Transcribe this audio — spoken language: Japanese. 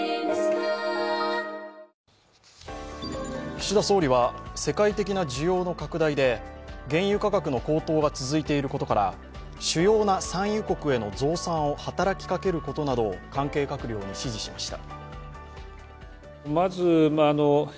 岸田総理は世界的な需要の拡大で原油価格の高騰が続いていることから主要な産油国への増産を働きかけることなどを関係閣僚に指示しました。